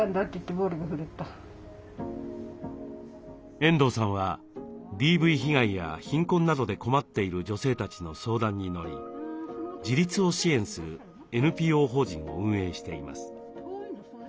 遠藤さんはＤＶ被害や貧困などで困っている女性たちの相談に乗り自立を支援するＮＰＯ法人を運営しています。